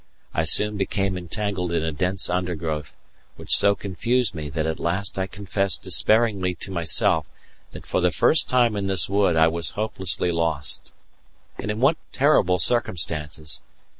I soon became entangled in a dense undergrowth, which so confused me that at last I confessed despairingly to myself that for the first time in this wood I was hopelessly lost. And in what terrible circumstances!